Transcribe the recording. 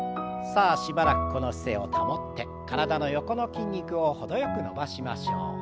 さあしばらくこの姿勢を保って体の横の筋肉を程よく伸ばしましょう。